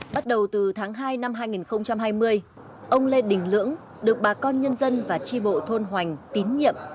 bắt đầu từ tháng hai năm hai nghìn hai mươi ông lê đình lưỡng được bà con nhân dân và tri bộ thôn hoành tín nhiệm